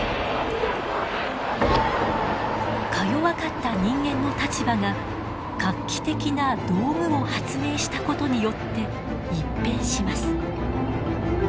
かよわかった人間の立場が画期的な道具を発明したことによって一変します。